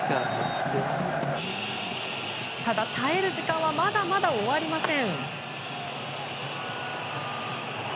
ただ、耐える時間はまだまだ終わりません。